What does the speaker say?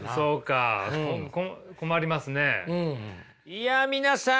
いや皆さん。